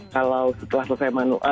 kalau setelah selesai manula